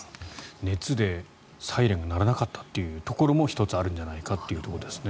熱でサイレンが鳴らなかったというところも１つ、あるんじゃないかということですね。